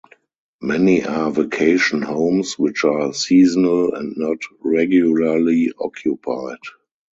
Many are vacation homes which are seasonal and not regularly occupied.